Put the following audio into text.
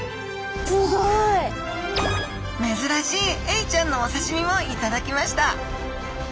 めずらしいエイちゃんのお刺身もいただきました！